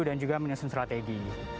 dan juga menyusun strategi